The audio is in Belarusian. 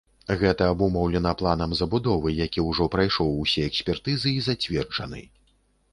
Гэта абумоўлена планам забудовы, які ўжо прайшоў усе экспертызы і зацверджаны.